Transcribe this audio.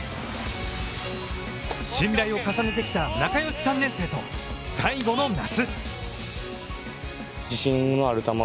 信頼を重ねてきた仲良し３年生と最後の夏。